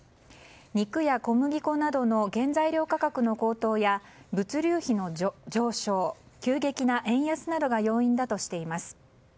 肉や小麦粉などの原材料価格の高騰や物流費の上昇、急激な円安などが要因だとしています。